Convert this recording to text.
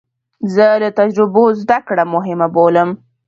زه له تجربو زده کړه مهمه بولم.